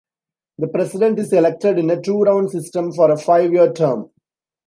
The President is elected in a two-round system for a five-year term.